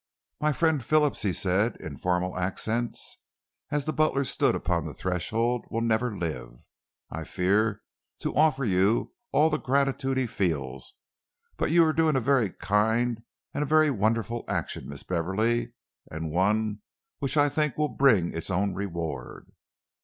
"My friend Phillips," he said, in formal accents, as the butler stood upon the threshold, "will never live, I fear, to offer you all the gratitude he feels, but you are doing a very kind and a very wonderful action, Miss Beverley, and one which I think will bring its own reward."